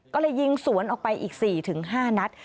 ก็เลยยิงสวนออกไปอีก๔๕นัด